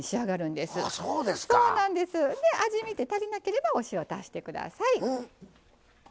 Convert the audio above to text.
で味見て足りなければお塩足してください。